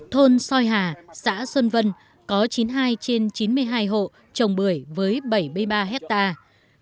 thôn soi hà xã xuân vân có chín mươi hai trên chín mươi hai hộ trồng bưởi với bảy mươi ba hectare